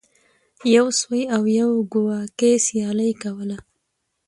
یو سوی او یو کواګې سیالي کوله.